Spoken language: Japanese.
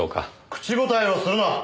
口答えをするな！